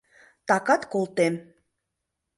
— Такат колтем...